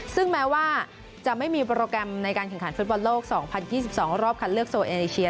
ซึ่งแม้ว่าจะไม่มีโปรแกรมในการแข่งขันฟุตบอลโลก๒๐๒๒รอบคัดเลือกโซเอเชีย